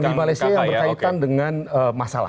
di malaysia yang berkaitan dengan masalah